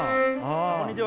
こんにちは。